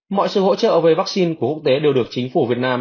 mọi sự hỗ trợ về vaccine của quốc tế đều được chính phủ việt nam